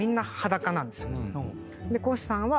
でコヒさんは。